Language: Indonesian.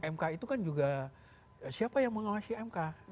mk itu kan juga siapa yang mengawasi mk